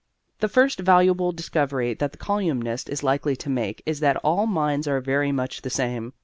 The first valuable discovery that the colyumist is likely to make is that all minds are very much the same.